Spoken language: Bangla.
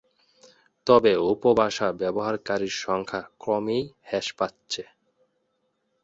তবে উপভাষা ব্যবহারকারীর সংখ্যা ক্রমেই হ্রাস পাচ্ছে।